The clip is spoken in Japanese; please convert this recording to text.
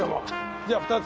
じゃあ２つ。